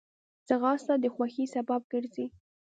ځغاسته د خوښۍ سبب ګرځي